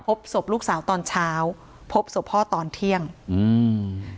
พบศพลูกสาวตอนเช้าพบศพพ่อตอนเที่ยงอืม